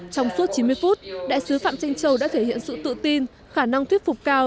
trong suốt chín mươi phút đại sứ phạm thanh châu đã thể hiện sự tự tin khả năng thuyết phục cao